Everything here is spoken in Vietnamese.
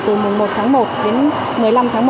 từ mùng một tháng một đến một mươi năm tháng một